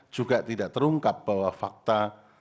juga tidak terungkap bahwa fakta